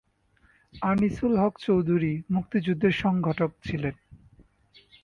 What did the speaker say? আনিসুল হক চৌধুরী মুক্তিযুদ্ধের সংগঠক ছিলেন।